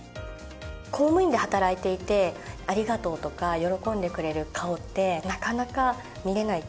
公務員で働いていて「ありがとう」とか喜んでくれる顔ってなかなか見られない。